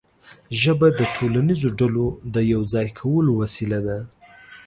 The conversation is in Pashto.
ژبه د ټولنیزو ډلو د یو ځای کولو وسیله ده.